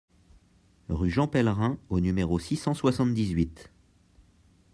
Rue Jean Pellerin au numéro six cent soixante-dix-huit